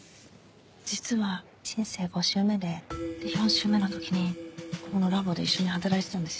実は人生５周目でで４周目の時にここのラボで一緒に働いてたんですよ。